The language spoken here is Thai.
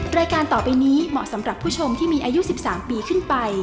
รายการต่อไปนี้เหมาะสำหรับผู้ชมที่มีอายุ๑๓ปีขึ้นไป